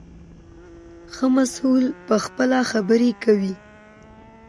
ښه محصول پخپله خبرې کوي.